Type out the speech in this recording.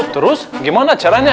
terus gimana caranya